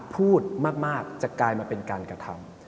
พูดมากจะกลายมาเป็นการกระทำ